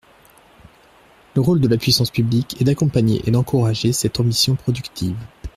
Le rôle de la puissance publique est d’accompagner et d’encourager cette ambition productive.